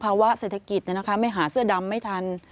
ภาวะเศรษฐกิจนะคะไม่หาเสื้อดำไม่ทัน